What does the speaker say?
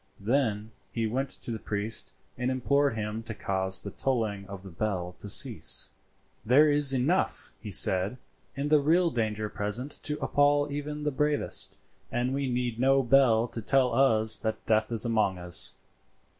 Then he went to the priest and implored him to cause the tolling of the bell to cease. "There is enough," he said, "in the real danger present to appal even the bravest, and we need no bell to tell us that death is among us.